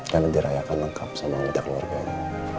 karena dirayakan lengkap sama wanita keluarganya